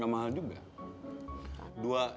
gak mahal juga